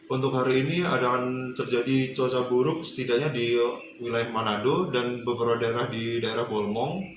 untuk hari ini akan terjadi cuaca buruk setidaknya di wilayah manado dan beberapa daerah di daerah bolmong